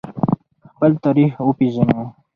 خپل تاریخ وپیژنو.